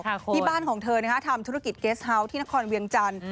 ที่บ้านของเธอนะฮะทำธุรกิจเกสเฮาส์ที่นครเวียงจันทร์